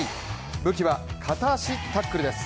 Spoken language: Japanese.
武器は片足タックルです。